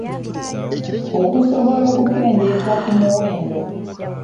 Okusobola okukendeeza ku muwendo.